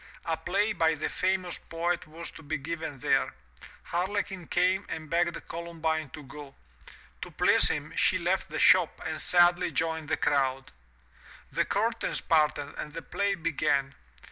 A play by the famous poet was to be given there. Harle quin came and begged Columbine to go. To please him, she left the shop and sadly joined the crowd. The curtains parted and the play began.